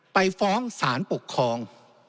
ไปฟ้องสารปกครอง